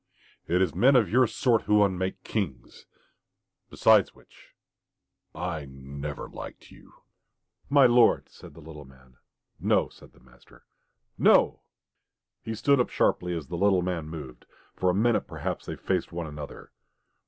It is men of your sort who unmake kings. Besides which I never liked you." "My lord!" said the little man. "No," said the master. "NO!" He stood up sharply as the little man moved. For a minute perhaps they faced one another.